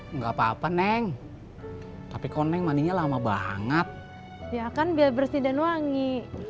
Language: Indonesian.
enggak papa neng tapi koneng maninya lama banget ya kan biar bersih dan wangi